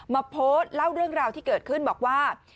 มาโพสต์เล่าเรื่องราวที่เกิดขึ้นบอกว่า